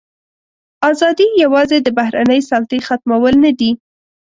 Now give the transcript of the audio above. ازادي یوازې د بهرنۍ سلطې ختمول نه دي.